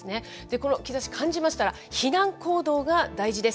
この兆し感じましたら、避難行動が大事です。